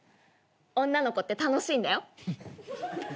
女の子って楽しいんだよ。